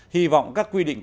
hy vọng các quy định